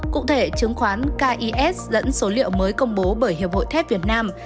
cụ thể chứng khoán kis dẫn số liệu mới công bố bởi hiệp hội thép việt nam